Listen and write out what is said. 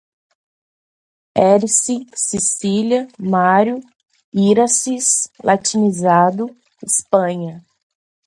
Érice, Sicília, Mário, Híraces, latinizado, Hispânia